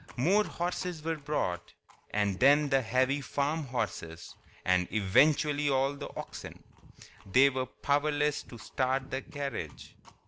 More horses were brought, and then the heavy farm horses, and eventually all the oxen. They were powerless to start the carriage.